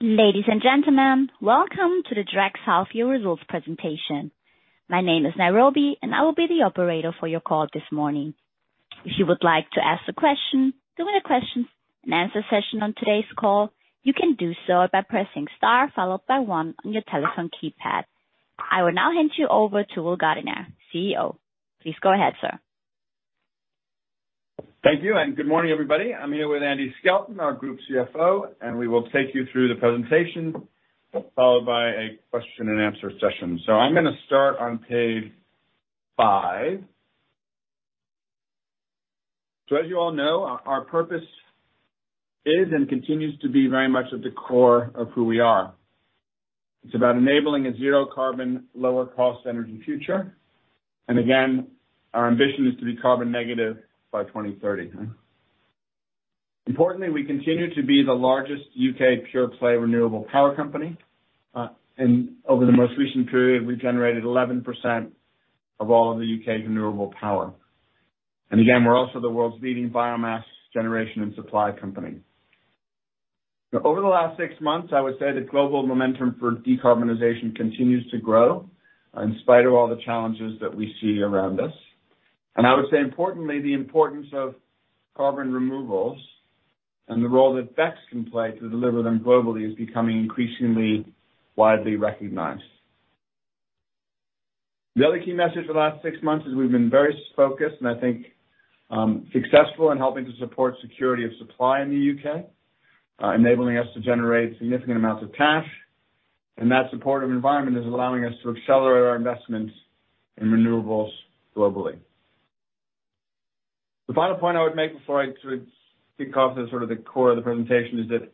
Ladies and gentlemen, welcome to the Drax Half Year Results presentation. My name is Nairobi, and I will be the operator for your call this morning. If you would like to ask a question during the question and answer session on today's call, you can do so by pressing star followed by one on your telephone keypad. I will now hand you over to Will Gardiner, CEO. Please go ahead, sir. Thank you, and good morning, everybody. I'm here with Andy Skelton, our Group CFO, and we will take you through the presentation, followed by a question and answer session. I'm gonna start on page five. As you all know, our purpose is and continues to be very much at the core of who we are. It's about enabling a zero carbon, lower cost energy future. Our ambition is to be carbon negative by 2030. Importantly, we continue to be the largest UK pure play renewable power company. Over the most recent period, we generated 11% of all of the UK's renewable power. We're also the world's leading biomass generation and supply company. Over the last six months, I would say the global momentum for decarbonization continues to grow in spite of all the challenges that we see around us. I would say importantly, the importance of carbon removals and the role that BECCS can play to deliver them globally is becoming increasingly widely recognized. The other key message for the last six months is we've been very focused and I think, successful in helping to support security of supply in the UK, enabling us to generate significant amounts of cash. That supportive environment is allowing us to accelerate our investments in renewables globally. The final point I would make before I sort of kick off to sort of the core of the presentation is that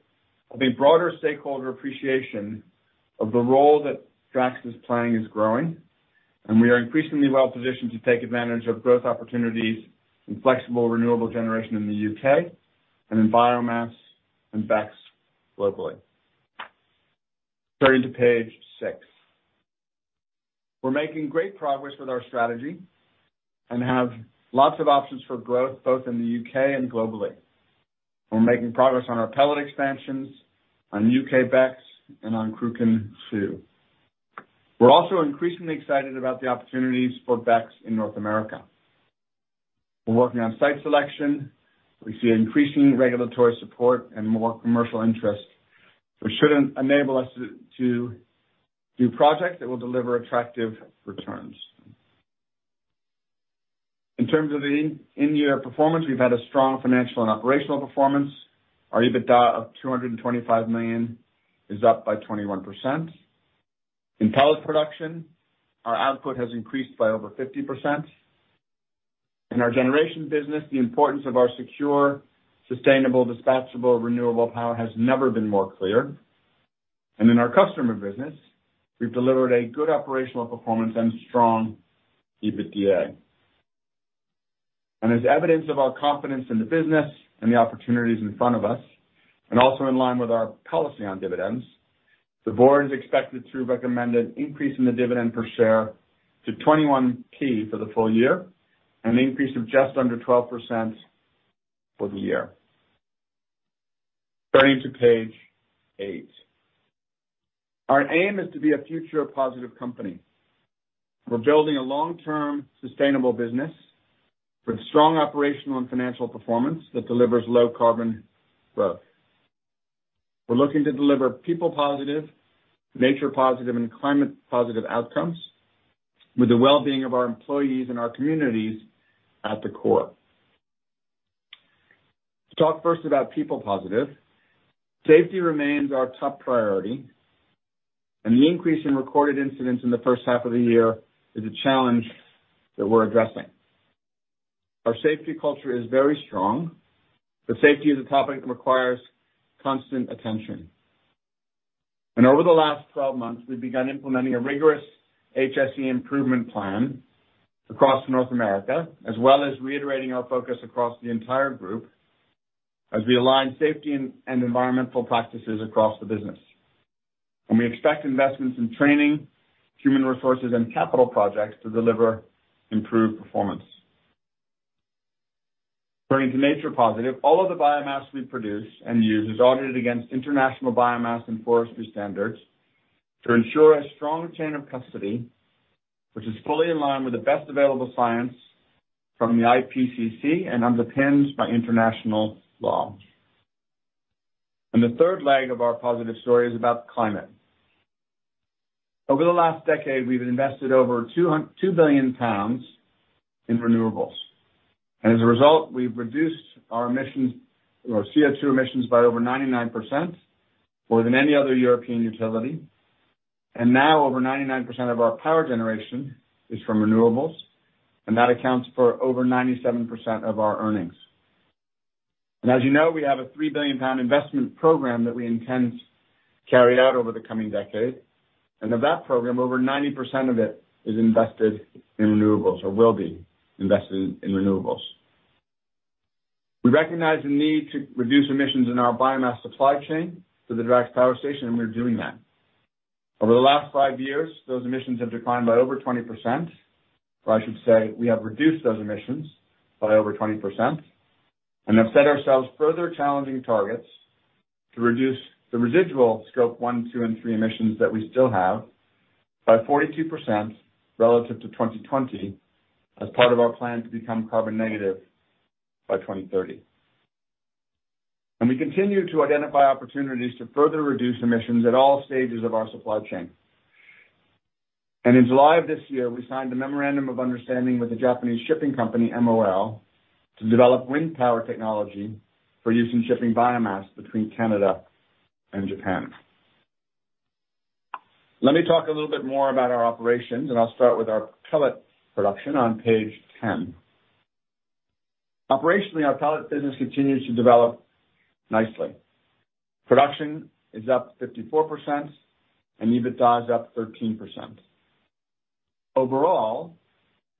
the broader stakeholder appreciation of the role that Drax is playing is growing, and we are increasingly well-positioned to take advantage of growth opportunities in flexible renewable generation in the UK and in biomass and BECCS globally. Turning to page six. We're making great progress with our strategy and have lots of options for growth both in the UK and globally. We're making progress on our pellet expansions, on UK BECCS, and on Cruachan II. We're also increasingly excited about the opportunities for BECCS in North America. We're working on site selection. We see increasing regulatory support and more commercial interest, which should enable us to do projects that will deliver attractive returns. In terms of the in-year performance, we've had a strong financial and operational performance. Our EBITDA of 225 million is up by 21%. In pellet production, our output has increased by over 50%. In our generation business, the importance of our secure, sustainable, dispatchable, renewable power has never been more clear. In our customer business, we've delivered a good operational performance and strong EBITDA. As evidence of our confidence in the business and the opportunities in front of us, and also in line with our policy on dividends, the board is expected to recommend an increase in the dividend per share to 21 pence for the full year, an increase of just under 12% for the year. Turning to page eight. Our aim is to be a future positive company. We're building a long-term sustainable business with strong operational and financial performance that delivers low carbon growth. We're looking to deliver people positive, nature positive, and climate positive outcomes, with the well-being of our employees and our communities at the core. To talk first about people positive. Safety remains our top priority, and the increase in recorded incidents in the first half of the year is a challenge that we're addressing. Our safety culture is very strong, but safety as a topic requires constant attention. Over the last 12 months, we've begun implementing a rigorous HSE improvement plan across North America, as well as reiterating our focus across the entire group as we align safety and environmental practices across the business. We expect investments in training, human resources, and capital projects to deliver improved performance. Turning to nature positive. All of the biomass we produce and use is audited against international biomass and forestry standards to ensure a strong chain of custody, which is fully in line with the best available science from the IPCC and underpinned by international law. The third leg of our positive story is about climate. Over the last decade, we've invested over 2 billion pounds in renewables. As a result, we've reduced our emissions, our CO2 emissions by over 99% more than any other European utility. Now over 99% of our power generation is from renewables, and that accounts for over 97% of our earnings. As you know, we have a 3 billion pound investment program that we intend to carry out over the coming decade. Of that program, over 90% of it is invested in renewables or will be invested in renewables. We recognize the need to reduce emissions in our biomass supply chain to the Drax power station, and we're doing that. Over the last five years, those emissions have declined by over 20%. I should say, we have reduced those emissions by over 20% and have set ourselves further challenging targets to reduce the residual scope one, two, and three emissions that we still have by 42% relative to 2020 as part of our plan to become carbon negative by 2030. We continue to identify opportunities to further reduce emissions at all stages of our supply chain. In July of this year, we signed a memorandum of understanding with the Japanese shipping company MOL to develop wind power technology for use in shipping biomass between Canada and Japan. Let me talk a little bit more about our operations, and I'll start with our pellet production on page 10. Operationally, our pellet business continues to develop nicely. Production is up 54% and EBITDA is up 13%. Overall,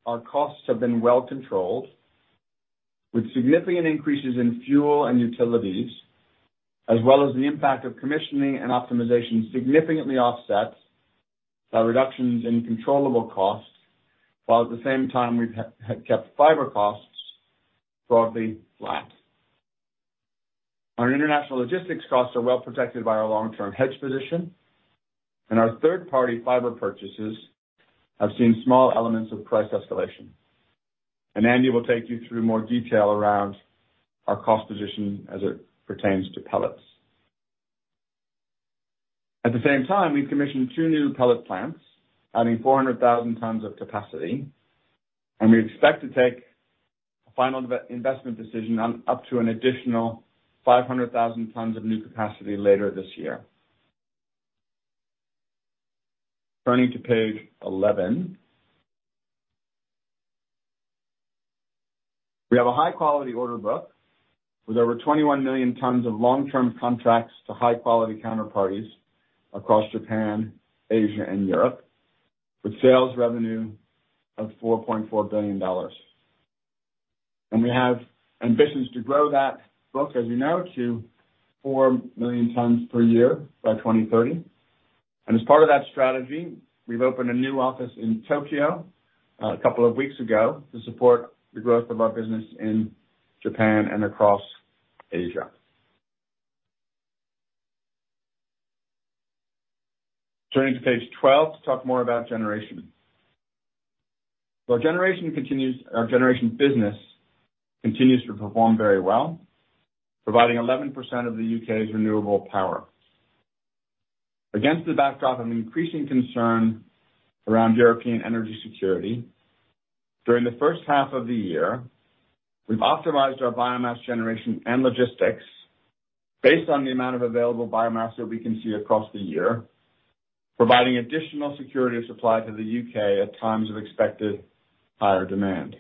our costs have been well controlled, with significant increases in fuel and utilities, as well as the impact of commissioning and optimization significantly offset by reductions in controllable costs, while at the same time we've have kept fiber costs broadly flat. Our international logistics costs are well protected by our long-term hedge position, and our third-party fiber purchases have seen small elements of price escalation. Andy will take you through more detail around our cost position as it pertains to pellets. At the same time, we've commissioned two new pellet plants adding 400,000 tons of capacity, and we expect to take a final investment decision on up to an additional 500,000 tons of new capacity later this year. Turning to page 11. We have a high-quality order book with over 21 million tons of long-term contracts to high-quality counterparties across Japan, Asia, and Europe, with sales revenue of $4.4 billion. We have ambitions to grow that book, as you know, to 4 million tons per year by 2030. As part of that strategy, we've opened a new office in Tokyo, a couple of weeks ago to support the growth of our business in Japan and across Asia. Turning to page 12 to talk more about generation. Our generation business continues to perform very well, providing 11% of the UK's renewable power. Against the backdrop of increasing concern around European energy security, during the first half of the year, we've optimized our biomass generation and logistics based on the amount of available biomass that we can see across the year, providing additional security of supply to the UK at times of expected higher demand.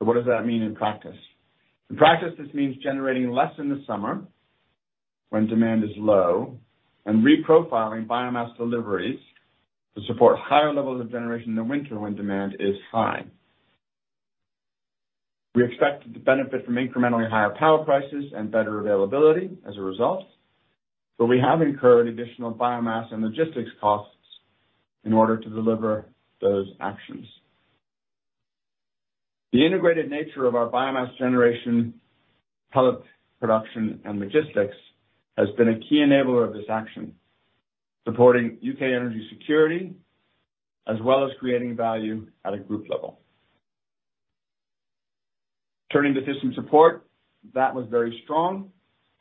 What does that mean in practice? In practice, this means generating less in the summer when demand is low, and reprofiling biomass deliveries to support higher levels of generation in the winter when demand is high. We expect to benefit from incrementally higher power prices and better availability as a result, but we have incurred additional biomass and logistics costs in order to deliver those actions. The integrated nature of our biomass generation, pellet production, and logistics has been a key enabler of this action, supporting U.K. energy security as well as creating value at a group level. Turning to system support, that was very strong,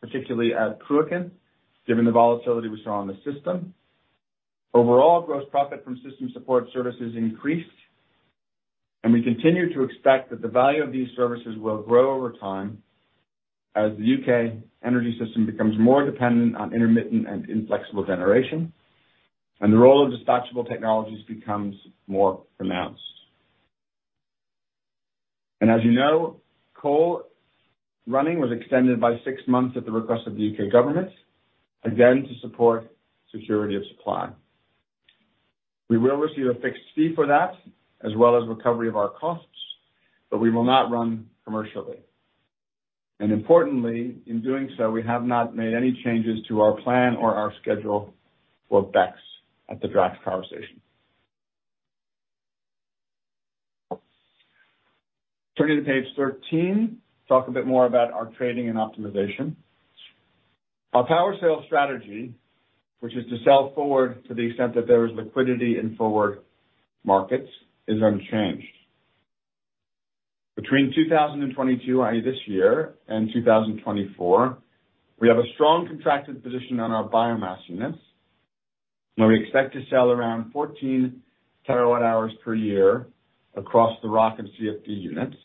particularly at Cruachan, given the volatility we saw on the system. Overall gross profit from system support services increased, and we continue to expect that the value of these services will grow over time as the U.K. energy system becomes more dependent on intermittent and inflexible generation, and the role of dispatchable technologies becomes more pronounced. As you know, coal running was extended by six months at the request of the U.K. government, again, to support security of supply. We will receive a fixed fee for that, as well as recovery of our costs, but we will not run commercially. Importantly, in doing so, we have not made any changes to our plan or our schedule for BECCS at the Drax power station. Turning to page 13, talk a bit more about our trading and optimization. Our power sales strategy, which is to sell forward to the extent that there is liquidity in forward markets, is unchanged. Between 2022, i.e., this year, and 2024, we have a strong contracted position on our biomass units, and we expect to sell around 14 TWh per year across the ROC and CFD units.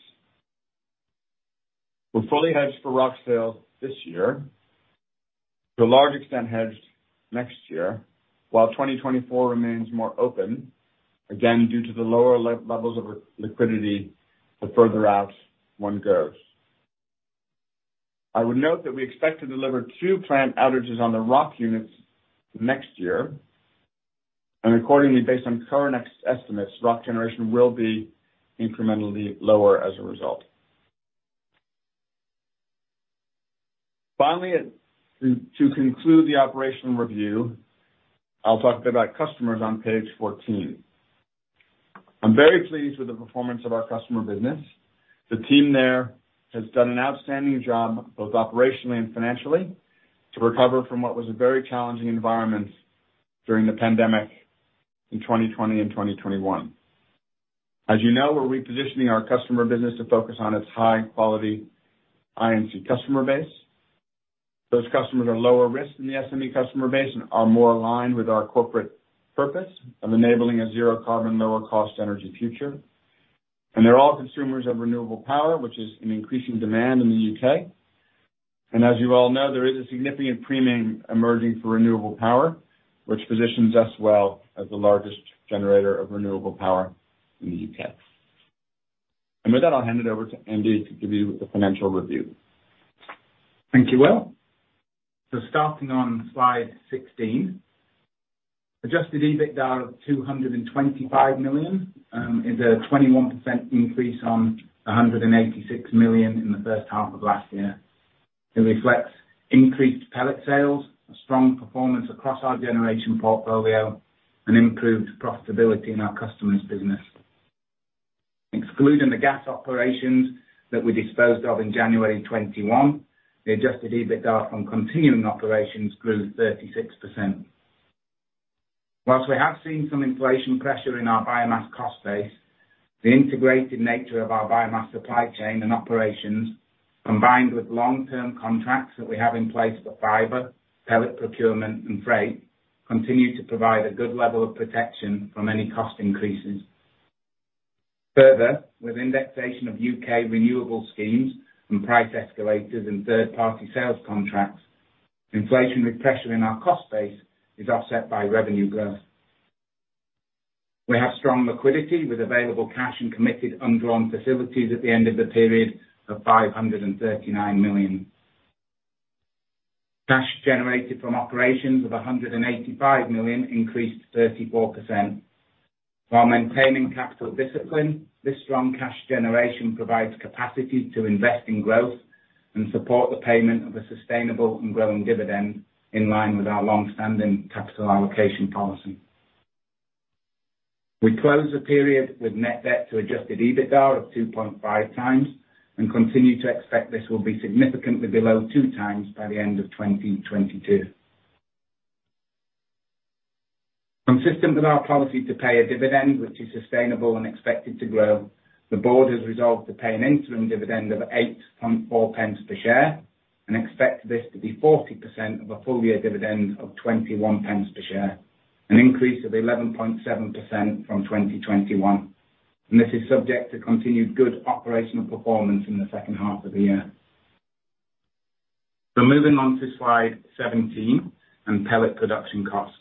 We're fully hedged for ROC sales this year, to a large extent hedged next year, while 2024 remains more open, again, due to the lower levels of liquidity the further out one goes. I would note that we expect to deliver two plant outages on the ROC units next year, and accordingly, based on current ex-estimates, ROC generation will be incrementally lower as a result. Finally, to conclude the operational review, I'll talk about customers on page 14. I'm very pleased with the performance of our customer business. The team there has done an outstanding job, both operationally and financially, to recover from what was a very challenging environment during the pandemic in 2020 and 2021. As you know, we're repositioning our customer business to focus on its high quality I&C customer base. Those customers are lower risk than the SME customer base and are more aligned with our corporate purpose of enabling a zero carbon, lower cost energy future. They're all consumers of renewable power, which is an increasing demand in the U.K. As you all know, there is a significant premium emerging for renewable power, which positions us well as the largest generator of renewable power in the UK. With that, I'll hand it over to Andy to give you the financial review. Thank you, Will. Starting on slide 16. Adjusted EBITDA of 225 million is a 21% increase on 186 million in the first half of last year. It reflects increased pellet sales, a strong performance across our generation portfolio, and improved profitability in our Customers business. Excluding the gas operations that we disposed of in January 2021, the adjusted EBITDA from continuing operations grew 36%. While we have seen some inflation pressure in our biomass cost base, the integrated nature of our biomass supply chain and operations, combined with long-term contracts that we have in place for fiber, pellet procurement, and freight, continue to provide a good level of protection from any cost increases. Further, with indexation of UK renewable schemes and price escalators and third-party sales contracts, inflationary pressure in our cost base is offset by revenue growth. We have strong liquidity with available cash and committed undrawn facilities at the end of the period of 539 million. Cash generated from operations of 185 million increased 34%. While maintaining capital discipline, this strong cash generation provides capacity to invest in growth and support the payment of a sustainable and growing dividend in line with our long-standing capital allocation policy. We close the period with net debt to adjusted EBITDA of 2.5x and continue to expect this will be significantly below 2x by the end of 2022. Consistent with our policy to pay a dividend which is sustainable and expected to grow, the board has resolved to pay an interim dividend of 8.4 pence per share and expect this to be 40% of a full year dividend of 21 pence per share, an increase of 11.7% from 2021. This is subject to continued good operational performance in the second half of the year. Moving on to slide 17 and pellet production cost.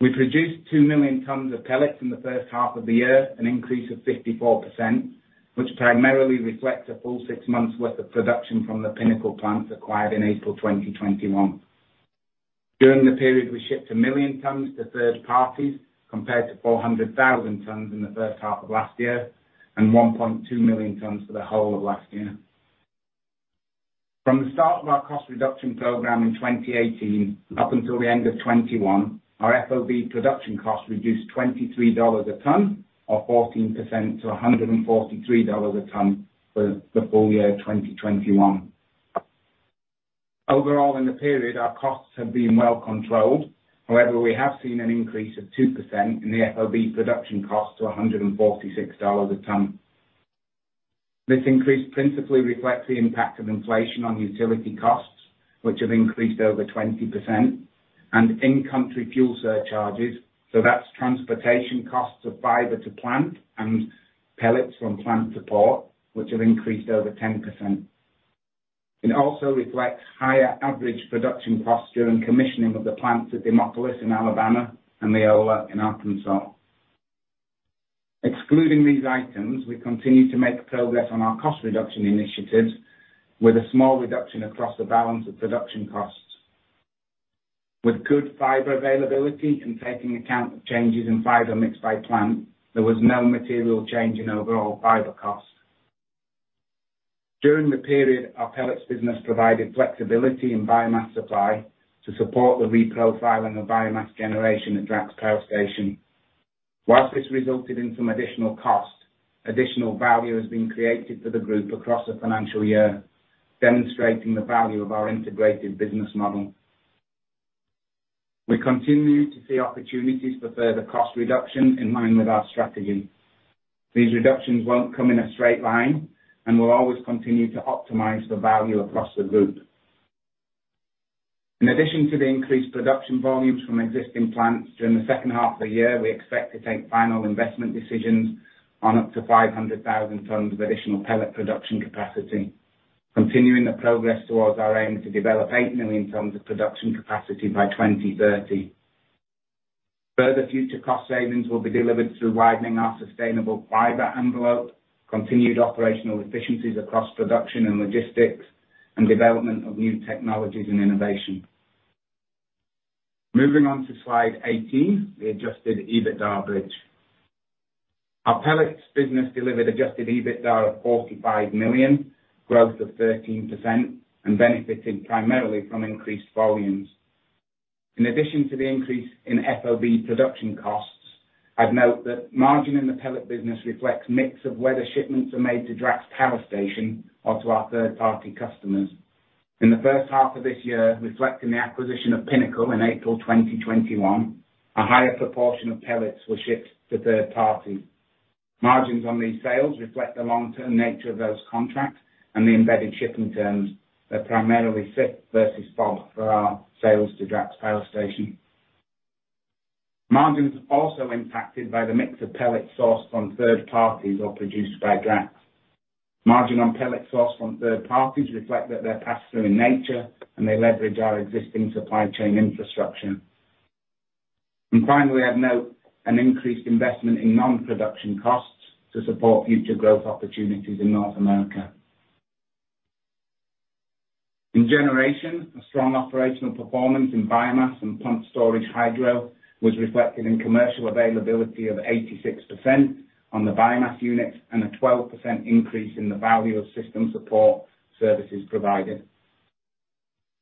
We produced 2 million tons of pellets in the first half of the year, an increase of 54%, which primarily reflects a full six months worth of production from the Pinnacle plant acquired in April 2021. During the period, we shipped 1 million tons to third parties, compared to 400,000 tons in the first half of last year, and 1.2 million tons for the whole of last year. From the start of our cost reduction program in 2018, up until the end of 2021, our FOB production cost reduced $23 a ton or 14% to $143 a ton for the full year of 2021. Overall, in the period, our costs have been well controlled. However, we have seen an increase of 2% in the FOB production cost to $146 a ton. This increase principally reflects the impact of inflation on utility costs, which have increased over 20%, and in-country fuel surcharges. That's transportation costs of fiber to plant and pellets from plant to port, which have increased over 10%. It also reflects higher average production posture and commissioning of the plants at Demopolis in Alabama and Leola in Arkansas. Excluding these items, we continue to make progress on our cost reduction initiatives with a small reduction across the balance of production costs. With good fiber availability and taking account of changes in fiber mix by plant, there was no material change in overall fiber cost. During the period, our pellets business provided flexibility in biomass supply to support the reprofiling of biomass generation at Drax Power Station. Whilst this resulted in some additional cost, additional value has been created for the group across the financial year, demonstrating the value of our integrated business model. We continue to see opportunities for further cost reduction in line with our strategy. These reductions won't come in a straight line, and we'll always continue to optimize the value across the group. In addition to the increased production volumes from existing plants during the second half of the year, we expect to take final investment decisions on up to 500,000 tons of additional pellet production capacity, continuing the progress towards our aim to develop 8 million tons of production capacity by 2030. Further future cost savings will be delivered through widening our sustainable fiber envelope, continued operational efficiencies across production and logistics, and development of new technologies and innovation. Moving on to slide 18, the adjusted EBITDA bridge. Our pellets business delivered adjusted EBITDA of 45 million, growth of 13%, and benefiting primarily from increased volumes. In addition to the increase in FOB production costs, I'd note that margin in the pellet business reflects mix of whether shipments are made to Drax Power Station or to our third-party customers. In the first half of this year, reflecting the acquisition of Pinnacle in April 2021, a higher proportion of pellets were shipped to third-party. Margins on these sales reflect the long-term nature of those contracts and the embedded shipping terms that primarily CIP versus FOB for our sales to Drax Power Station. Margins also impacted by the mix of pellets sourced from third parties or produced by Drax. Margin on pellets sourced from third parties reflect that they're pass-through in nature, and they leverage our existing supply chain infrastructure. Finally, I'd note an increased investment in non-production costs to support future growth opportunities in North America. In generation, a strong operational performance in biomass and pumped storage hydro was reflected in commercial availability of 86% on the biomass units and a 12% increase in the value of system support services provided.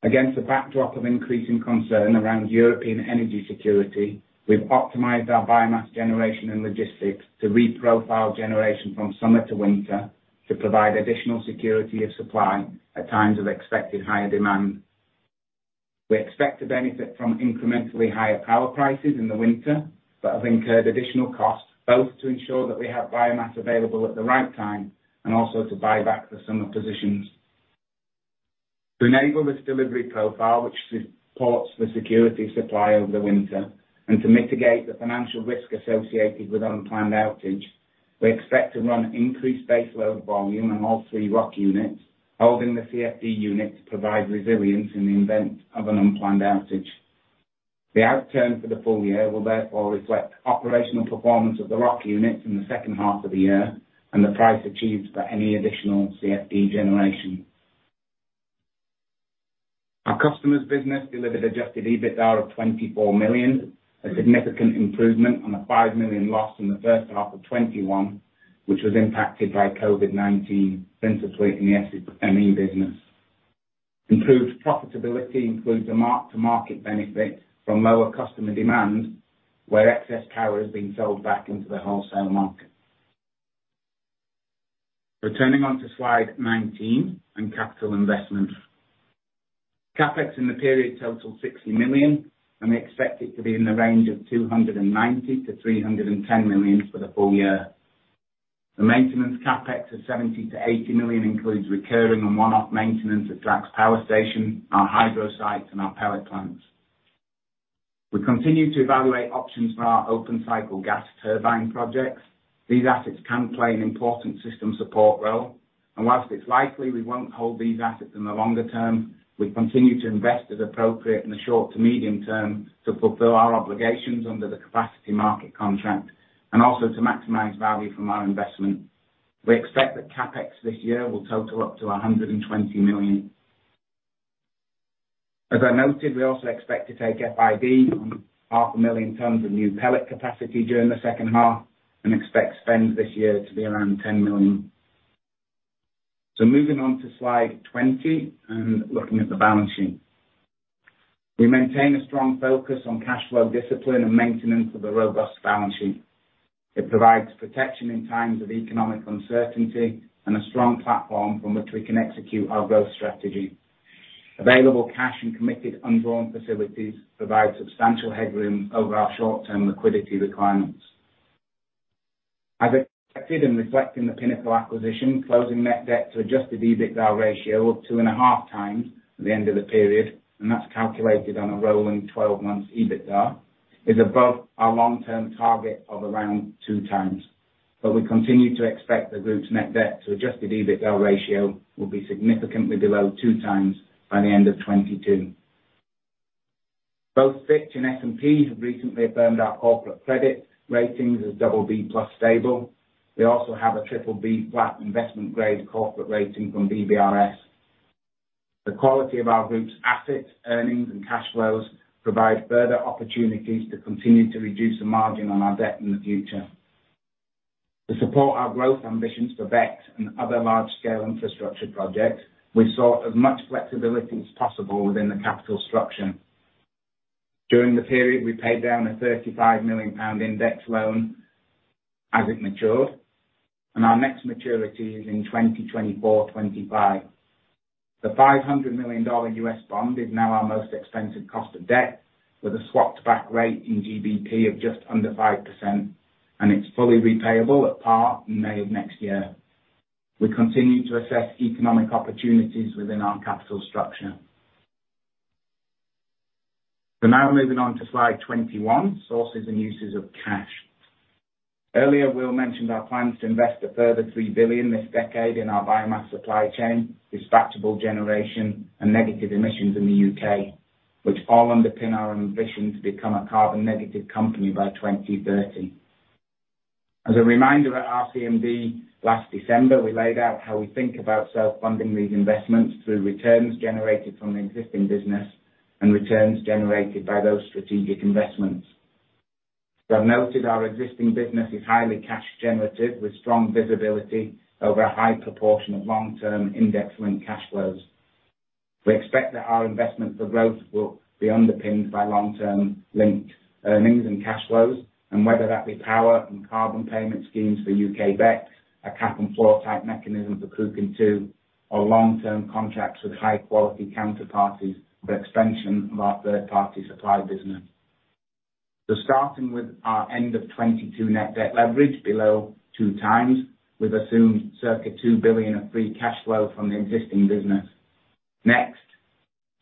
Against the backdrop of increasing concern around European energy security, we've optimized our biomass generation and logistics to re-profile generation from summer to winter to provide additional security of supply at times of expected higher demand. We expect to benefit from incrementally higher power prices in the winter, but have incurred additional costs both to ensure that we have biomass available at the right time and also to buy back the summer positions. To enable this delivery profile, which supports the security of supply over the winter, and to mitigate the financial risk associated with unplanned outage, we expect to run increased base load volume on all three ROC units, holding the CFD unit to provide resilience in the event of an unplanned outage. The outturn for the full year will therefore reflect operational performance of the ROC units in the second half of the year and the price achieved for any additional CFD generation. Our customers business delivered adjusted EBITDA of 24 million, a significant improvement on the 5 million lost in the first half of 2021, which was impacted by COVID-19 in the SME business. Improved profitability includes a mark-to-market benefit from lower customer demand, where excess power has been sold back into the wholesale market. Returning to slide 19 on capital investment. CapEx in the period totaled 60 million, and we expect it to be in the range of 290 million-310 million for the full year. The maintenance CapEx of 70 million-80 million includes recurring and one-off maintenance at Drax Power Station, our hydro sites, and our pellet plants. We continue to evaluate options for our open-cycle gas turbine projects. These assets can play an important system support role, and whilst it's likely we won't hold these assets in the longer term, we continue to invest as appropriate in the short to medium term to fulfill our obligations under the capacity market contract and also to maximize value from our investment. We expect that CapEx this year will total up to 120 million. As I noted, we also expect to take FID on 500,000 tons of new pellet capacity during the second half and expect spend this year to be around 10 million. Moving on to slide 20 and looking at the balance sheet. We maintain a strong focus on cash flow discipline and maintenance of a robust balance sheet. It provides protection in times of economic uncertainty and a strong platform from which we can execute our growth strategy. Available cash and committed undrawn facilities provide substantial headroom over our short-term liquidity requirements. As expected, and reflecting the Pinnacle acquisition, closing net debt to adjusted EBITDA ratio of 2.5x at the end of the period, and that's calculated on a rolling 12-month EBITDA, is above our long-term target of around 2x. We continue to expect the group's net debt to adjusted EBITDA ratio will be significantly below 2x by the end of 2022. Both Fitch and S&P have recently affirmed our corporate credit ratings as BB+ stable. We also have a BBB flat investment grade corporate rating from DBRS. The quality of our group's assets, earnings, and cash flows provide further opportunities to continue to reduce the margin on our debt in the future. To support our growth ambitions for BECCS and other large-scale infrastructure projects, we sought as much flexibility as possible within the capital structure. During the period, we paid down a 35 million pound index loan as it matured, and our next maturity is in 2024, 2025. The $500 million US bond is now our most expensive cost of debt, with a swapped back rate in GBP of just under 5%, and it's fully repayable at par in May of next year. We continue to assess economic opportunities within our capital structure. Now moving on to slide 21, sources and uses of cash. Earlier, Will mentioned our plans to invest a further 3 billion this decade in our biomass supply chain, dispatchable generation, and negative emissions in the UK, which all underpin our ambition to become a carbon negative company by 2030. As a reminder, at CMD last December, we laid out how we think about self-funding these investments through returns generated from the existing business and returns generated by those strategic investments. You have noted our existing business is highly cash generative, with strong visibility over a high proportion of long-term index linked cash flows. We expect that our investment for growth will be underpinned by long-term linked earnings and cash flows, and whether that be power and carbon payment schemes for UK BECCS, a cap and floor type mechanism for Cruachan II, or long-term contracts with high-quality counterparties for extension of our third-party supply business. Starting with our end of 2022 net debt leverage below 2x, with assumed circa 2 billion of free cash flow from the existing business. Next,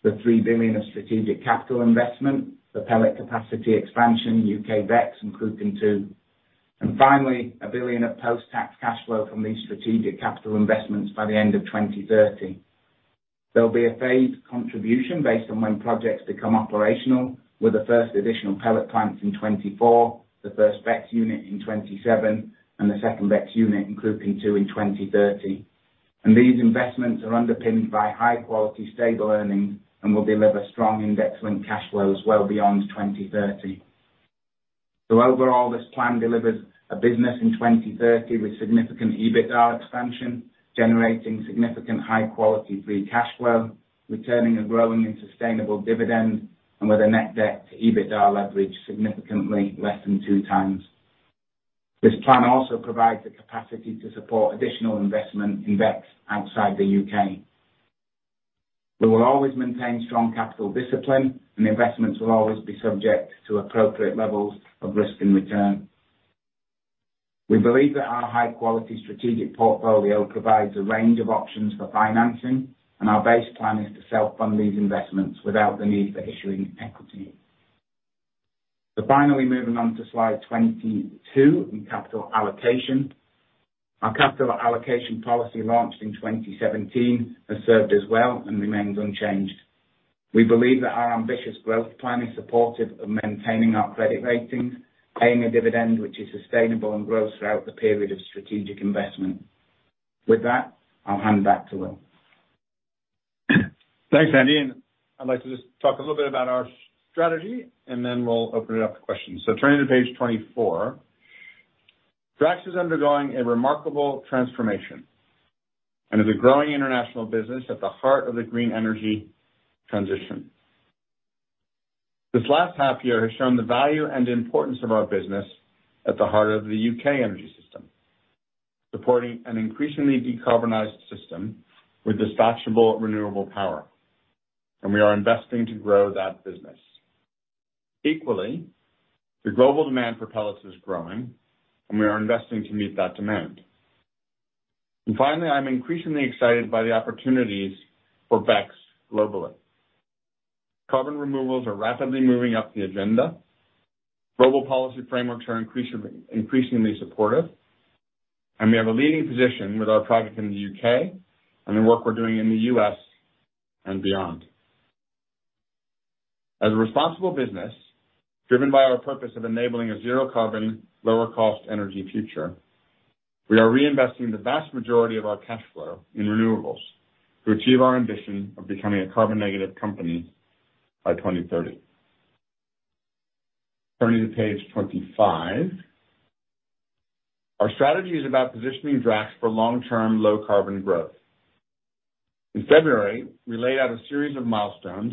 the 3 billion of strategic capital investment, the pellet capacity expansion, UK BECCS, and Cruachan II. Finally, a 1 billion of post-tax cash flow from these strategic capital investments by the end of 2030. There'll be a phased contribution based on when projects become operational, with the first additional pellet plant in 2024, the first BECCS unit in 2027, and the second BECCS unit in Cruachan II in 2030. These investments are underpinned by high quality, stable earnings, and will deliver strong index linked cash flows well beyond 2030. Overall, this plan delivers a business in 2030 with significant EBITDA expansion, generating significant high-quality free cash flow, returning a growing and sustainable dividend, and with a net debt to EBITDA leverage significantly less than 2x. This plan also provides the capacity to support additional investment in BECCS outside the UK. We will always maintain strong capital discipline, and investments will always be subject to appropriate levels of risk and return. We believe that our high-quality strategic portfolio provides a range of options for financing, and our base plan is to self-fund these investments without the need for issuing equity. Finally, moving on to slide 22 in capital allocation. Our capital allocation policy launched in 2017 has served us well and remains unchanged. We believe that our ambitious growth plan is supportive of maintaining our credit ratings, paying a dividend which is sustainable and grows throughout the period of strategic investment. With that, I'll hand back to Will. Thanks, Andy, and I'd like to just talk a little bit about our strategy and then we'll open it up to questions. Turning to page 24. Drax is undergoing a remarkable transformation and is a growing international business at the heart of the green energy transition. This last half year has shown the value and importance of our business at the heart of the U.K. energy system, supporting an increasingly decarbonized system with dispatchable renewable power. We are investing to grow that business. Equally, the global demand for pellets is growing, and we are investing to meet that demand. Finally, I'm increasingly excited by the opportunities for BECCS globally. Carbon removals are rapidly moving up the agenda. Global policy frameworks are increasingly supportive, and we have a leading position with our project in the U.K. and the work we're doing in the U.S. and beyond. As a responsible business, driven by our purpose of enabling a zero carbon, lower cost energy future, we are reinvesting the vast majority of our cash flow in renewables to achieve our ambition of becoming a carbon negative company by 2030. Turning to page 25. Our strategy is about positioning Drax for long-term low carbon growth. In February, we laid out a series of milestones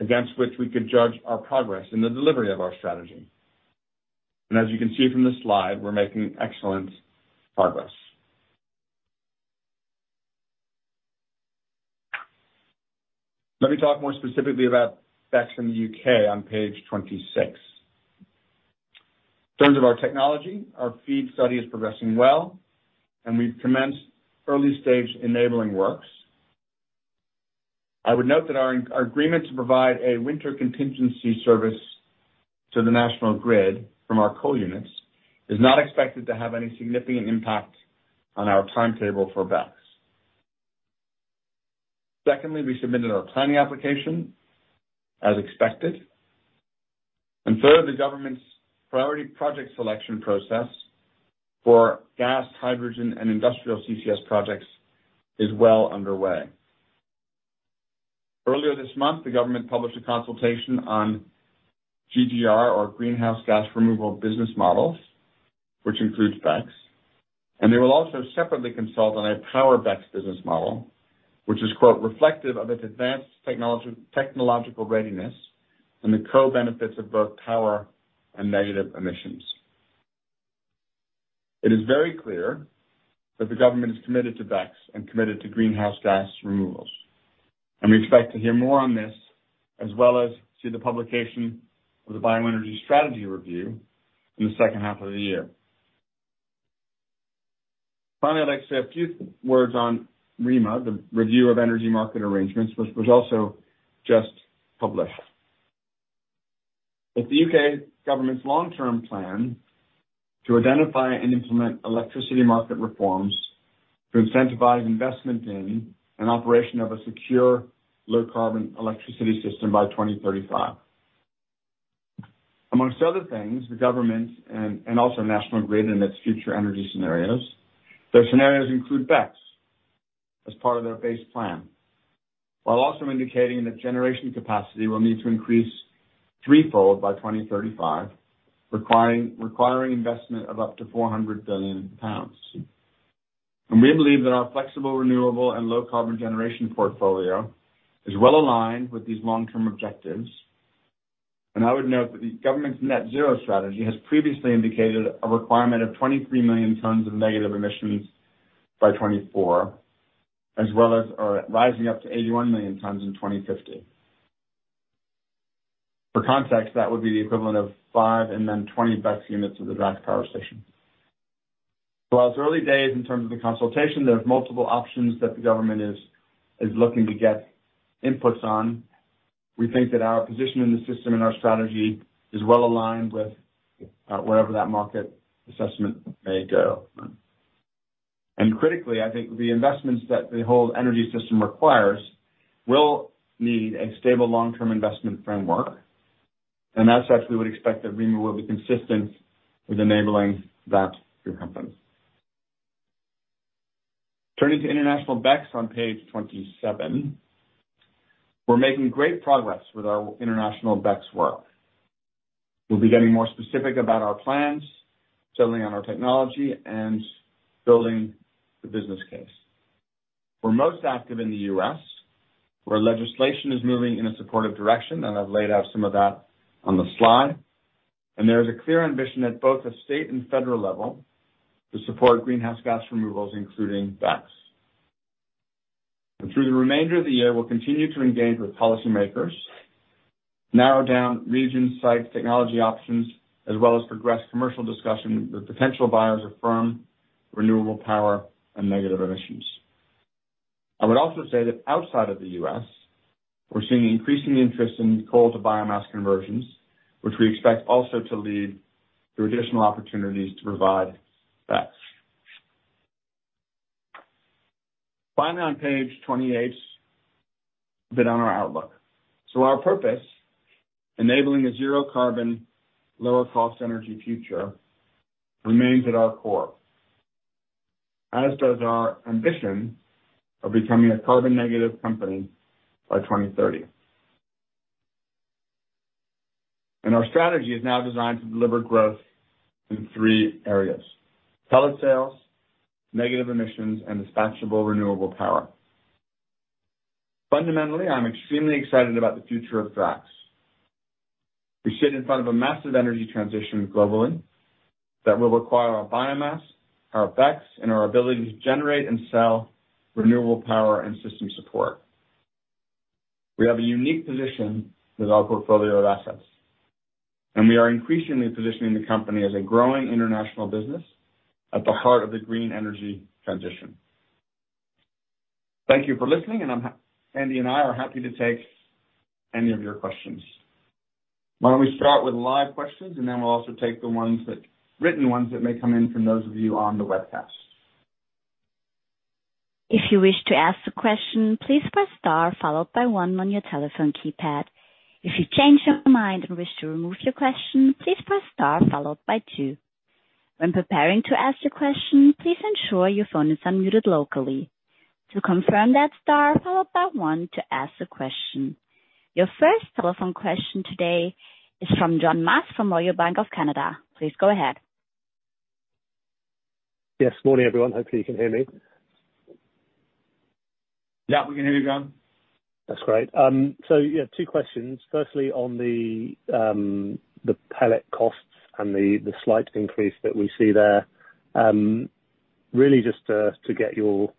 against which we could judge our progress in the delivery of our strategy. As you can see from this slide, we're making excellent progress. Let me talk more specifically about BECCS in the UK on page 26. In terms of our technology, our FEED study is progressing well, and we've commenced early stage enabling works. I would note that our agreement to provide a winter contingency service to the National Grid from our coal units is not expected to have any significant impact on our timetable for BECCS. Secondly, we submitted our planning application as expected. Third, the government's priority project selection process for gas, hydrogen, and industrial CCS projects is well underway. Earlier this month, the government published a consultation on GGR, or Greenhouse Gas Removal business models, which includes BECCS, and they will also separately consult on a power BECCS business model, which is, quote, "Reflective of its advanced technological readiness and the co-benefits of both power and negative emissions." It is very clear that the government is committed to BECCS and committed to greenhouse gas removals, and we expect to hear more on this, as well as see the publication of the Bioenergy Strategy Unit review in the second half of the year. Finally, I'd like to say a few words on REMA, the Review of Electricity Market Arrangements, which was also just published. With the UK government's long-term plan to identify and implement electricity market reforms to incentivize investment in an operation of a secure low carbon electricity system by 2035. Among other things, the government and also National Grid in its future energy scenarios, their scenarios include BECCS as part of their base plan, while also indicating that generation capacity will need to increase threefold by 2035, requiring investment of up to 400 billion pounds. We believe that our flexible, renewable and low carbon generation portfolio is well aligned with these long-term objectives. I would note that the government's Net Zero Strategy has previously indicated a requirement of 23 million tons of negative emissions by 2024, as well as rising up to 81 million tons in 2050. For context, that would be the equivalent of five and then 20 BECCS units of the Drax power station. While it's early days in terms of the consultation, there are multiple options that the government is looking to get inputs on. We think that our position in the system and our strategy is well aligned with wherever that market assessment may go. Critically, I think the investments that the whole energy system requires will need a stable long-term investment framework, and as such, we would expect that removal will be consistent with enabling that for companies. Turning to international BECCS on page 27. We're making great progress with our international BECCS work. We'll be getting more specific about our plans, settling on our technology and building the business case. We're most active in the U.S., where legislation is moving in a supportive direction, and I've laid out some of that on the slide. There is a clear ambition at both the state and federal level to support greenhouse gas removals, including BECCS. Through the remainder of the year, we'll continue to engage with policymakers, narrow down region site technology options, as well as progress commercial discussion with potential buyers of firm renewable power and negative emissions. I would also say that outside of the U.S., we're seeing increasing interest in coal to biomass conversions, which we expect also to lead to additional opportunities to provide BECCS. Finally, on page 28, a bit on our outlook. Our purpose, enabling a zero carbon, lower cost energy future remains at our core, as does our ambition of becoming a carbon negative company by 2030. Our strategy is now designed to deliver growth in three areas: pellet sales, negative emissions and dispatchable renewable power. Fundamentally, I'm extremely excited about the future of BECCS. We sit in front of a massive energy transition globally that will require our biomass, our BECCS and our ability to generate and sell renewable power and system support. We have a unique position with our portfolio of assets, and we are increasingly positioning the company as a growing international business at the heart of the green energy transition. Thank you for listening, and Andy and I are happy to take any of your questions. Why don't we start with live questions and then we'll also take the written ones that may come in from those of you on the webcast. If you wish to ask a question, please press star followed by one on your telephone keypad. If you change your mind and wish to remove your question, please press star followed by two. When preparing to ask a question, please ensure your phone is unmuted locally. To confirm that star followed by one to ask a question. Your first telephone question today is from John Musk from Royal Bank of Canada. Please go ahead. Yes. Morning, everyone. Hopefully, you can hear me. Yeah, we can hear you, John. That's great. So yeah, two questions. Firstly on the pellet costs and the slight increase that we see there. Really just to get your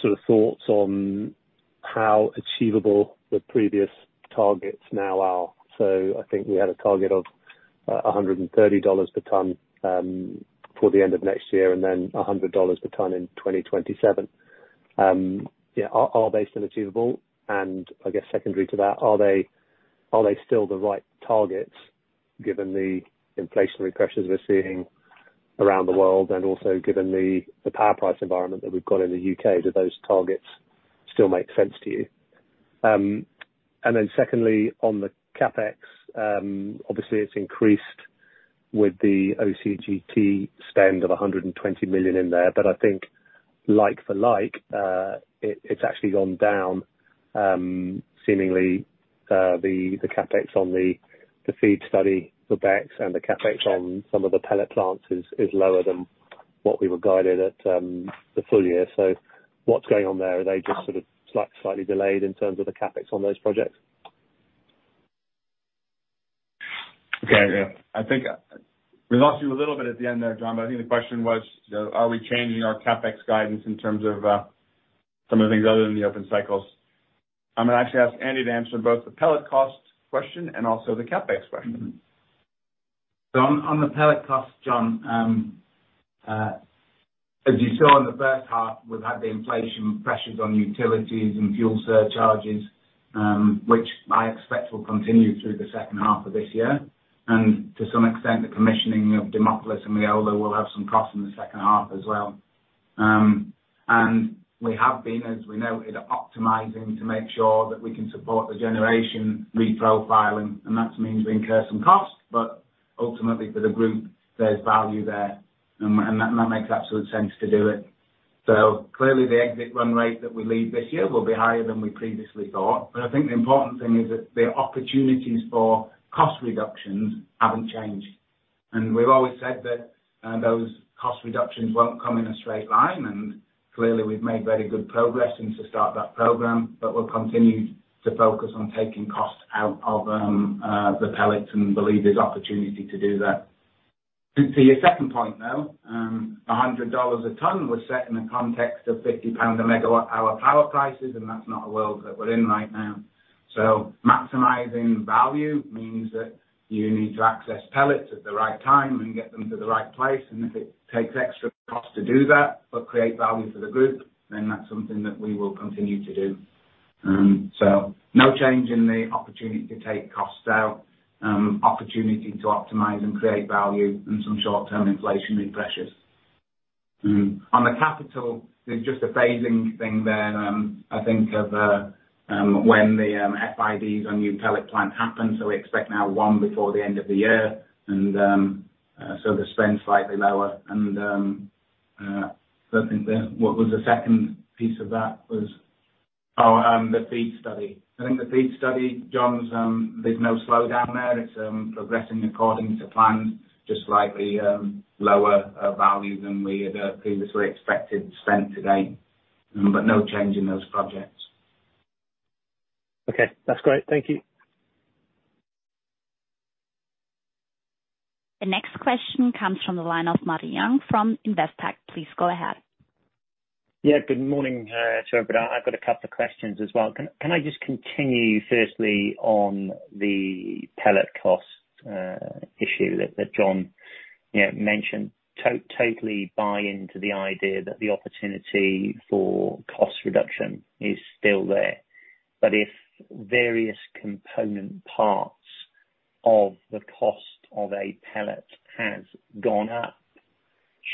sort of thoughts on how achievable the previous targets now are. I think we had a target of $130 per ton before the end of next year and then $100 per ton in 2027. Yeah. Are they still achievable? And I guess secondary to that, are they still the right targets given the inflationary pressures we're seeing around the world, and also given the power price environment that we've got in the UK, do those targets still make sense to you? Secondly, on the CapEx, obviously it's increased with the OCGT spend of 120 million in there, but I think like for like, it actually gone down, seemingly, the CapEx on the FEED study for BECCS and the CapEx on some of the pellet plants is lower than what we were guided at the full year. So what's going on there? Are they just sort of slightly delayed in terms of the CapEx on those projects? Okay. Yeah. I think we lost you a little bit at the end there, John Musk. But I think the question was, are we changing our CapEx guidance in terms of, some of the things other than the open cycles? I'm gonna actually ask Andy Skelton to answer both the pellet cost question and also the CapEx question. On the pellet cost, John, as you saw in the first half, we've had the inflation pressures on utilities and fuel surcharges which I expect will continue through the second half of this year. To some extent, the commissioning of Demopolis and Leola will have some cost in the second half as well. We have been, as we noted, optimizing to make sure that we can support the generation reprofiling, and that means we incur some cost, but ultimately for the group, there's value there, and that makes absolute sense to do it. Clearly the exit run rate that we leave this year will be higher than we previously thought. I think the important thing is that the opportunities for cost reductions haven't changed. We've always said that those cost reductions won't come in a straight line. Clearly we've made very good progress since the start of that program. We'll continue to focus on taking costs out of the pellets and believe there's opportunity to do that. To your second point, though, $100 a ton was set in the context of 50 pound/MWh power prices, and that's not a world that we're in right now. Maximizing value means that you need to access pellets at the right time and get them to the right place. If it takes extra cost to do that, but create value for the group, then that's something that we will continue to do. No change in the opportunity to take costs out. Opportunity to optimize and create value and some short-term inflationary pressures. On the capital, there's just a phasing thing there. I think of when the FIDs on new pellet plant happen. We expect now one before the end of the year and the spend slightly lower and the FEED study. I think the FEED study, John, is. There's no slowdown there. It's progressing according to plan, just slightly lower of value than we had previously expected to spend today. No change in those projects. Okay. That's great. Thank you. The next question comes from the line of Martin Young from Investec. Please go ahead. Yeah, good morning to everybody. I've got a couple of questions as well. Can I just continue firstly on the pellet cost issue that John, you know, mentioned. Totally buy into the idea that the opportunity for cost reduction is still there. If various component parts of the cost of a pellet has gone up,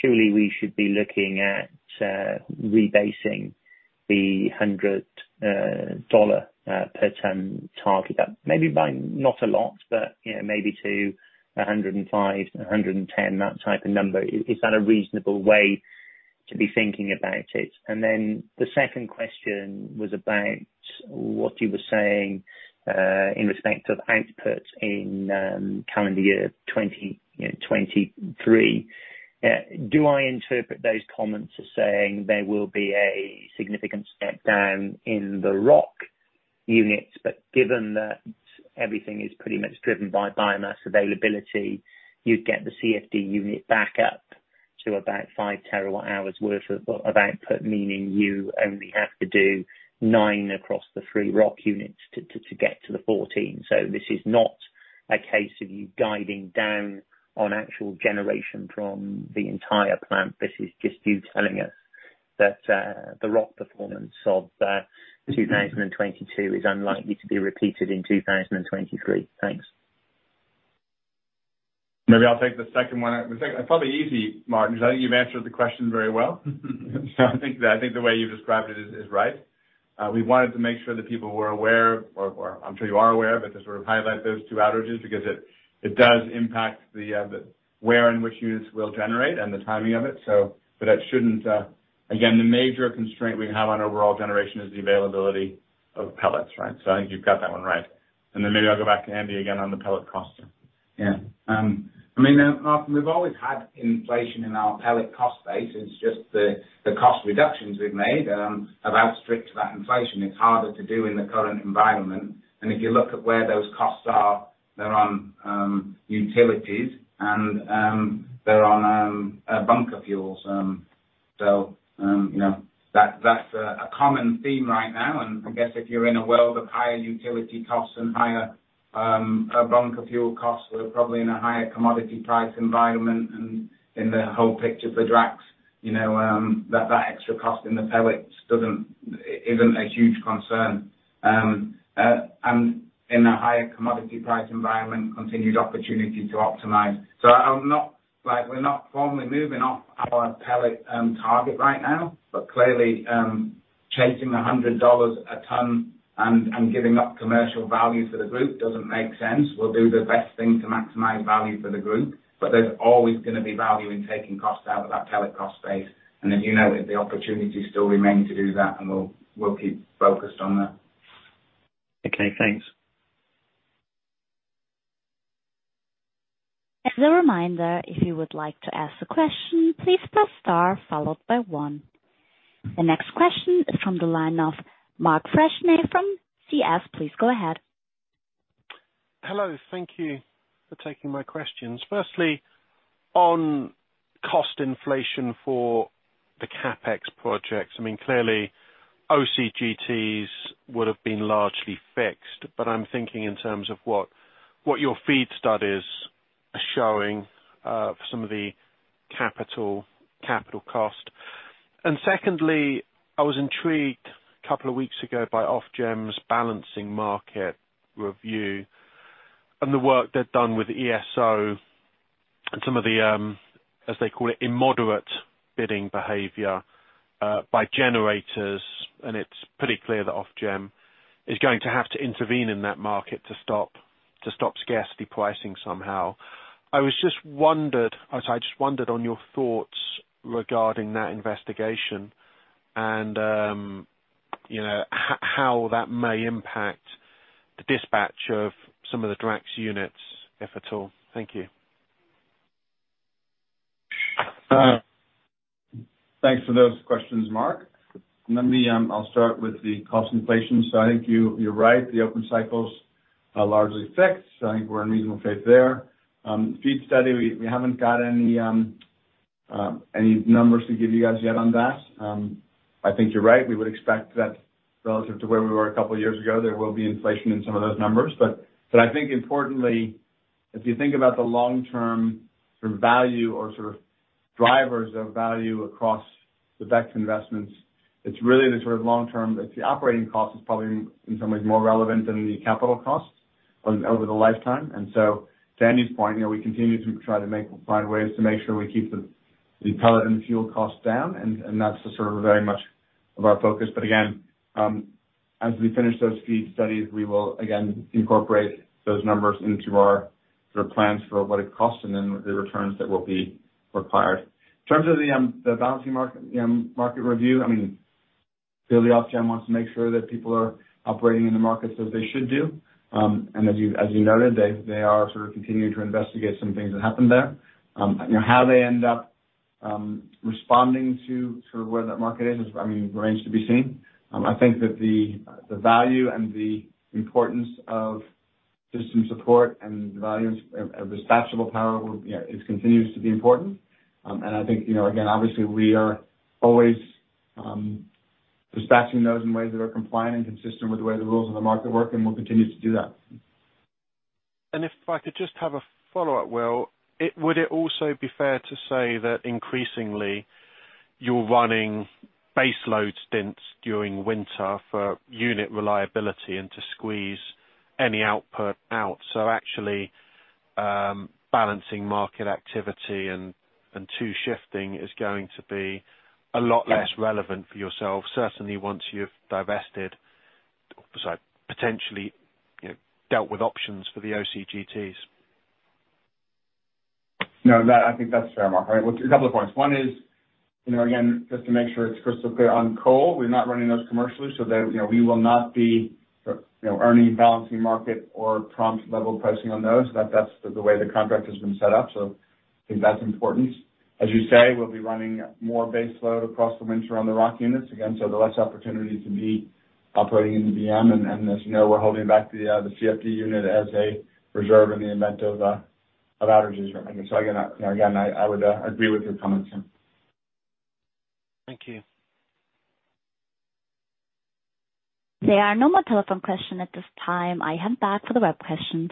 surely we should be looking at rebasing the $100 per ton target. Maybe by not a lot, but, you know, maybe to 105, 110, that type of number. Is that a reasonable way to be thinking about it? The second question was about what you were saying in respect of output in calendar year 2023. Do I interpret those comments as saying there will be a significant step down in the ROC units? Given that everything is pretty much driven by biomass availability, you'd get the CFD unit back up to about 5 TWh worth of output, meaning you only have to do nine across the 3 ROC units to get to the 14. This is not a case of you guiding down on actual generation from the entire plant. This is just you telling us that the ROC performance of 2022 is unlikely to be repeated in 2023. Thanks. Maybe I'll take the second one. The second. Probably easy, Martin, 'cause I think you've answered the question very well. I think the way you've described it is right. We wanted to make sure that people were aware or I'm sure you are aware, but to sort of highlight those two outages because it does impact the where and which units will generate and the timing of it. But that shouldn't. Again, the major constraint we have on overall generation is the availability of pellets, right? I think you've got that one right. Maybe I'll go back to Andy again on the pellet cost. Yeah. I mean, Martin, we've always had inflation in our pellet cost base. It's just the cost reductions we've made have outstripped that inflation. It's harder to do in the current environment. If you look at where those costs are, they're on utilities and they're on bunker fuels. You know, that's a common theme right now, and I guess if you're in a world of higher utility costs and higher bunker fuel costs, we're probably in a higher commodity price environment and in the whole picture for Drax, you know, that extra cost in the pellets isn't a huge concern. In a higher commodity price environment, continued opportunity to optimize. I'm not... Like, we're not formally moving off our pellet target right now, but clearly, chasing the $100 a ton and giving up commercial value for the group doesn't make sense. We'll do the best thing to maximize value for the group, but there's always gonna be value in taking costs out of that pellet cost base. As you know, the opportunity still remains to do that, and we'll keep focused on that. Okay, thanks. As a reminder, if you would like to ask a question, please press star followed by one. The next question is from the line of Mark Freshney from CS. Please go ahead. Hello. Thank you for taking my questions. Firstly, on cost inflation for the CapEx projects. I mean, clearly OCGTs would have been largely fixed, but I'm thinking in terms of what your FEED study is showing some of the capital cost. Secondly, I was intrigued a couple of weeks ago by Ofgem's balancing market review and the work they've done with ESO and some of the, as they call it, immoderate bidding behavior by generators. It's pretty clear that Ofgem is going to have to intervene in that market to stop scarcity pricing somehow. I just wondered on your thoughts regarding that investigation and how that may impact the dispatch of some of the Drax units, if at all. Thank you. Thanks for those questions, Mark. I'll start with the cost inflation. I think you're right. The open cycles are largely fixed. I think we're in reasonable shape there. FEED study, we haven't got any numbers to give you guys yet on that. I think you're right. We would expect that relative to where we were a couple years ago, there will be inflation in some of those numbers. But I think importantly, if you think about the long-term sort of value or sort of drivers of value across the BECCS investments, it's really the sort of long-term. It's the operating cost is probably in some ways more relevant than the capital costs over the lifetime. To Andy's point, you know, we continue to try to find ways to make sure we keep the pellet and the fuel costs down, and that's very much of our focus. As we finish those FEED studies, we will again incorporate those numbers into our sort of plans for what it costs and then the returns that will be required. In terms of the balancing market review, I mean, clearly Ofgem wants to make sure that people are operating in the markets as they should do. And as you noted, they are sort of continuing to investigate some things that happened there. You know, how they end up responding to sort of where that market is, I mean, remains to be seen. I think that the value and the importance of system support and the value of dispatchable power will, you know, it continues to be important. I think, you know, again, obviously we are always dispatching those in ways that are compliant and consistent with the way the rules in the market work, and we'll continue to do that. If I could just have a follow-up, Will. Would it also be fair to say that increasingly you're running base load stints during winter for unit reliability and to squeeze any output out? Actually, balancing market activity and two-shifting is going to be a lot less relevant for yourselves, certainly once you've divested, sorry, potentially, you know, dealt with options for the OCGTs. No, that I think that's fair, Mark Freshney. Right. Well, a couple of points. One is, you know, again, just to make sure it's crystal clear on coal, we're not running those commercially so that, you know, we will not be, you know, earning balancing market or prompt level pricing on those, that that's the way the contract has been set up. So I think that's important. As you say, we'll be running more base load across the winter on the ROC units again, so the less opportunity to be operating in the BM, and as you know, we're holding back the CFD unit as a reserve in the event of outages. So again, I would agree with your comments there. Thank you. There are no more telephone questions at this time. I head back to the web questions.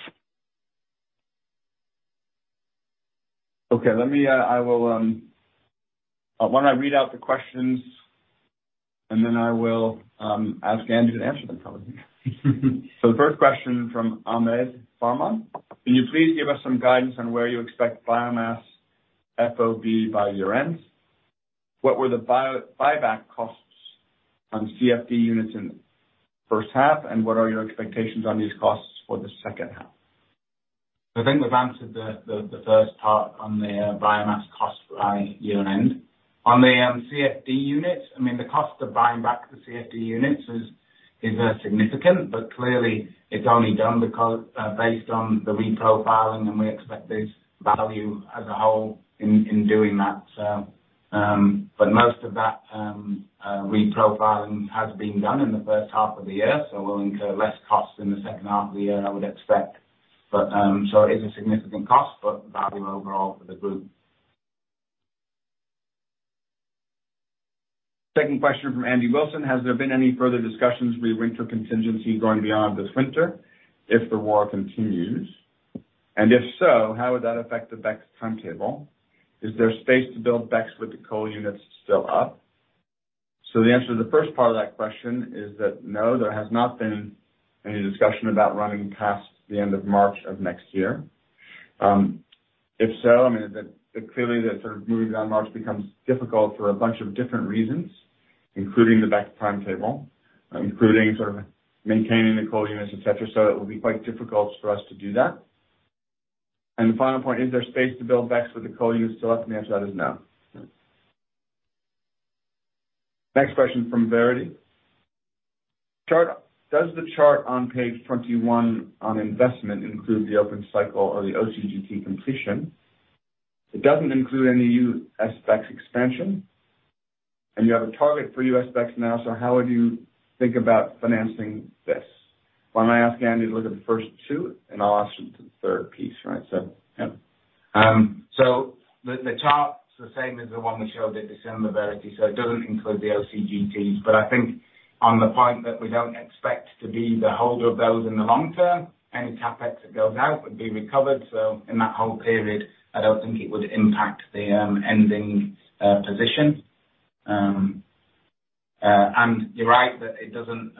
Okay. Why don't I read out the questions and then I will ask Andy to answer them probably. The first question from Ahmed Farman, can you please give us some guidance on where you expect biomass FOB by year-end? What were the buyback costs on CFD units in the first half, and what are your expectations on these costs for the second half? I think we've answered the first part on the biomass cost by year-end. On the CFD units, I mean, the cost of buying back the CFD units is significant, but clearly it's only done because based on the reprofiling, and we expect this value as a whole in doing that. Most of that reprofiling has been done in the first half of the year, so we'll incur less cost in the second half of the year, I would expect. It is a significant cost, but value overall for the group. Second question from Alexander Wheeler. Has there been any further discussions re winter contingency going beyond this winter if the war continues? And if so, how would that affect the BECCS timetable? Is there space to build BECCS with the coal units still up? The answer to the first part of that question is that no, there has not been any discussion about running past the end of March of next year. If so, I mean, clearly the sort of moving down March becomes difficult for a bunch of different reasons, including the BECCS timetable, including sort of maintaining the coal units, et cetera. It will be quite difficult for us to do that. The final point, is there space to build BECCS with the coal units still up? And the answer to that is no. Next question from Verity. Chart, does the chart on page 21 on investment include the open-cycle or the OCGT completion? It doesn't include any U.S. BECCS expansion, and you have a target for U.S. BECCS now. How would you think about financing this? Why don't I ask Andy to look at the first two, and I'll ask him to the third piece, right? Yeah. The chart's the same as the one we showed at December CMD, so it doesn't include the OCGTs. I think on the point that we don't expect to be the holder of those in the long term, any CapEx that goes out would be recovered. In that whole period, I don't think it would impact the ending position. You're right that it doesn't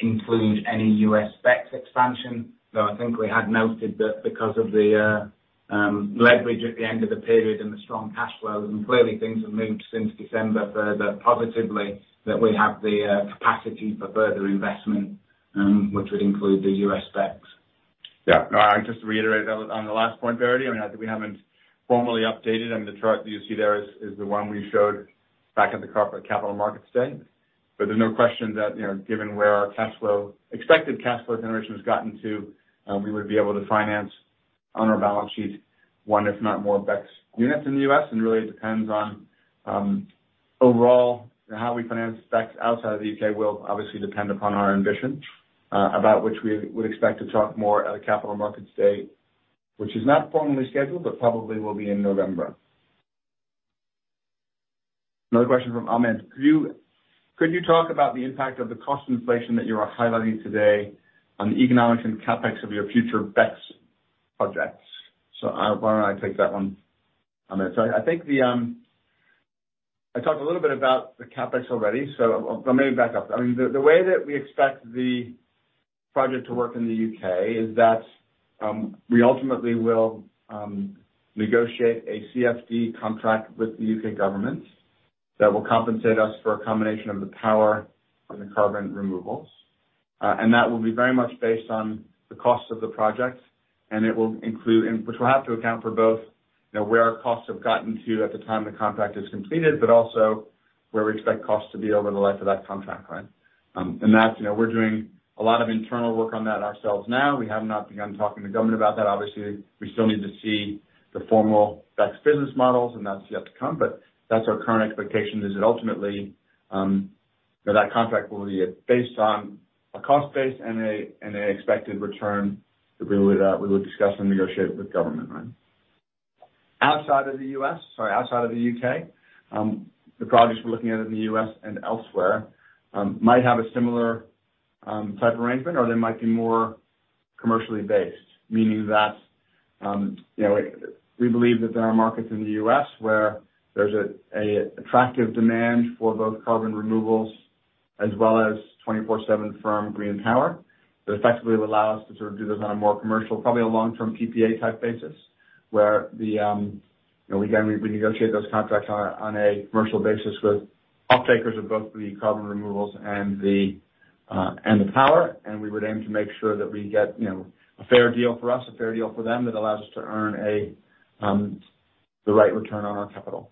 include any US BECCS expansion. Though I think we had noted that because of the leverage at the end of the period and the strong cash flows, and clearly things have moved since December further positively, that we have the capacity for further investment, which would include the US BECCS. No, I just reiterate that on the last point, Verity. I mean, I think we haven't formally updated. I mean, the chart that you see there is the one we showed back at the capital markets day. There's no question that, you know, given where our expected cash flow generation has gotten to, we would be able to finance on our balance sheet one, if not more BECCS units in the U.S. Really it depends on overall how we finance BECCS outside of the U.K., which will obviously depend upon our ambition about which we would expect to talk more at a capital markets day, which is not formally scheduled, but probably will be in November. Another question from Ahmed. Could you talk about the impact of the cost inflation that you are highlighting today on the economics and CapEx of your future BECCS projects? Why don't I take that one, Ahmed. I think I talked a little bit about the CapEx already, let me back up. I mean, the way that we expect the project to work in the U.K. is that we ultimately will negotiate a CFD contract with the U.K. government that will compensate us for a combination of the power and the carbon removals. And that will be very much based on the cost of the project, and it will include. Which will have to account for both, you know, where our costs have gotten to at the time the contract is completed, but also where we expect costs to be over the life of that contract. Right? That's, you know, we're doing a lot of internal work on that ourselves now. We have not begun talking to government about that. Obviously, we still need to see the formal BECCS business models, and that's yet to come. That's our current expectation, is that ultimately, you know, that contract will be based on a cost base and a expected return that we would discuss and negotiate with government. Right? Outside of the US, sorry, outside of the UK, the projects we're looking at in the US and elsewhere might have a similar type of arrangement or they might be more commercially based. Meaning that, you know, we believe that there are markets in the US where there's an attractive demand for both carbon removals as well as 24/7 firm green power that effectively will allow us to sort of do this on a more commercial, probably a long-term PPA type basis, where, you know, again, we negotiate those contracts on a commercial basis with off-takers of both the carbon removals and the power. We would aim to make sure that we get, you know, a fair deal for us, a fair deal for them that allows us to earn the right return on our capital.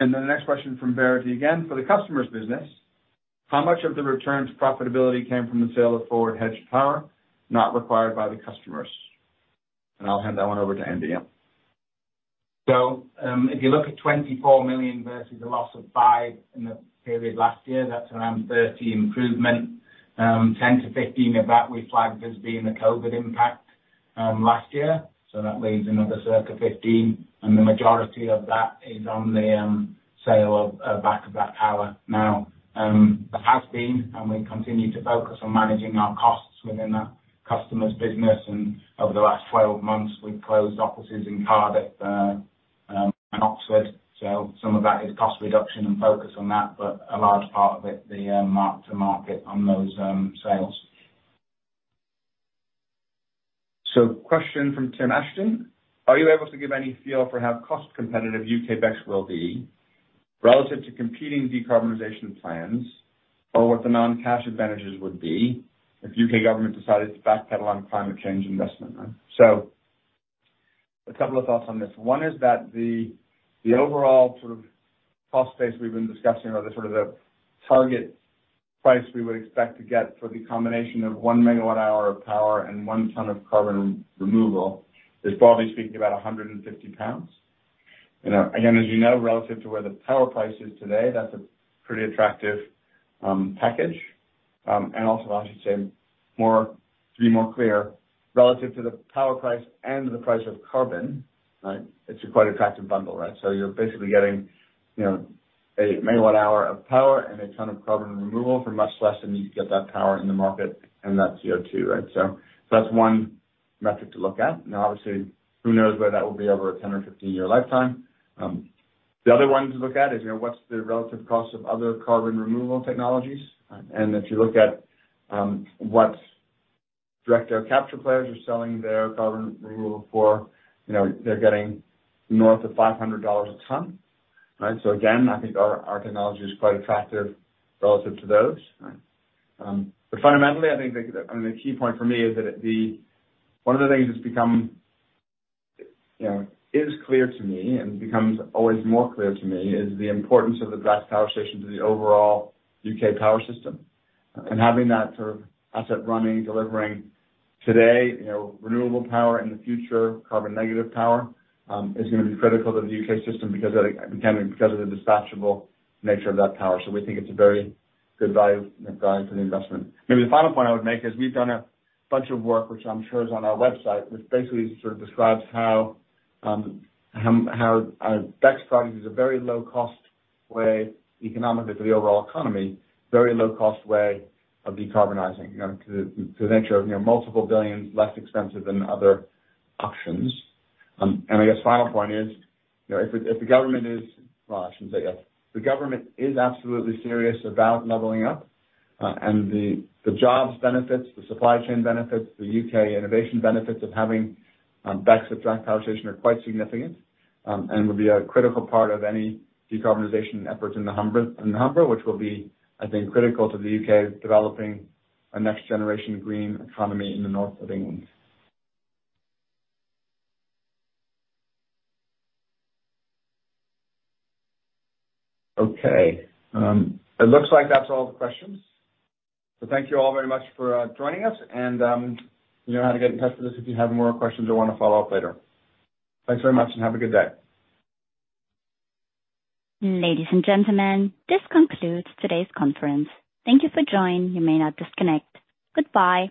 The next question from Verity again. For the customer's business, how much of the return to profitability came from the sale of forward hedge power not required by the customers? I'll hand that one over to Andy. If you look at 24 million versus a loss of 5 million in the period last year, that's around 30 million improvement. 10 million-15 million of that we flagged as being the COVID impact last year. That leaves another circa 15 million, and the majority of that is on the sale of back-to-back power. That has been, and we continue to focus on managing our costs within that customer's business. Over the last 12 months, we've closed offices in Cardiff and Oxford. Some of that is cost reduction and focus on that, but a large part of it, the mark to market on those sales. Question from Tim Ashton: Are you able to give any feel for how cost competitive UK BECCS will be relative to competing decarbonization plans or what the non-cash advantages would be if UK government decided to backpedal on climate change investment? A couple of thoughts on this. One is that the overall sort of cost base we've been discussing or the sort of target price we would expect to get for the combination of 1 megawatt hour of power and 1 ton of carbon removal is broadly speaking about 150 pounds. You know, again, as you know, relative to where the power price is today, that's a pretty attractive package. And also I should say more, to be more clear, relative to the power price and the price of carbon, right? It's a quite attractive bundle, right? You're basically getting, you know, a megawatt hour of power and a ton of carbon removal for much less than you can get that power in the market and that CO2, right? That's one metric to look at. Now, obviously, who knows where that will be over a 10-year or 15-year lifetime. The other one to look at is, you know, what's the relative cost of other carbon removal technologies. If you look at what direct air capture players are selling their carbon removal for, you know, they're getting north of $500 a ton, right? Again, I think our technology is quite attractive relative to those, right? Fundamentally, I think, I mean, the key point for me is that the One of the things that's become, you know, is clear to me and becomes always more clear to me is the importance of the Drax power station to the overall U.K. power system. Having that sort of asset running, delivering today, you know, renewable power in the future, carbon negative power, is gonna be critical to the U.K. system because of the, again, because of the dispatchable nature of that power. We think it's a very good value for the investment. Maybe the final point I would make is we've done a bunch of work, which I'm sure is on our website, which basically sort of describes how our BECCS project is a very low cost way economically for the overall economy, very low cost way of decarbonizing, you know, to the tune of, you know, multiple billions, less expensive than other options. I guess final point is, you know, if the government is, well, I shouldn't say if, the government is absolutely serious about leveling up, and the jobs benefits, the supply chain benefits, the UK innovation benefits of having BECCS at Drax power station are quite significant, and would be a critical part of any decarbonization efforts in the Humber, which will be, I think, critical to the UK developing a next generation green economy in the North of England. Okay. It looks like that's all the questions. Thank you all very much for joining us, and you know how to get in touch with us if you have more questions or wanna follow up later. Thanks very much and have a good day. Ladies and gentlemen, this concludes today's conference. Thank you for joining. You may now disconnect. Goodbye.